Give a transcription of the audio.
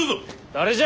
誰じゃ！